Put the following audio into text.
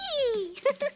フフフ。